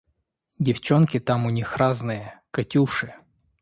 Девчонки там у них разные… Катюши!